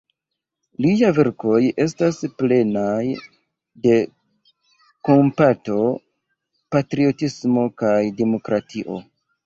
Liaj verkoj estas plenaj de kompato, patriotismo kaj demokratio.